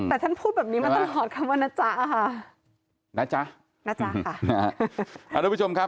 แต่ท่านพูดแบบนี้มาตลอดคำว่านะจ๊ะค่ะนะจ๊ะนะจ๊ะค่ะ